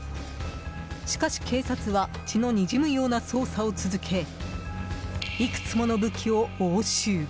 しかし、警察は血のにじむような捜査を続けいくつもの武器を押収。